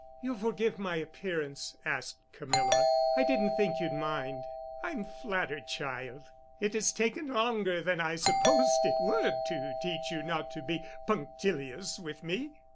"You'll forgive my appearance?" asked Camilla. "I didn't think you'd mind." "I'm flattered, child. It has taken longer than I supposed it would to teach you not to be punctilious with me.